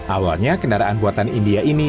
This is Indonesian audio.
awalnya kendaraan buatan india ini